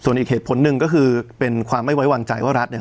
ส่วนอีกเหตุผลหนึ่งก็คือเป็นความไม่ไว้วางใจว่ารัฐเนี่ย